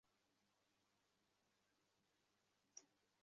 শুভ রাত্রি, জ্যাক্স।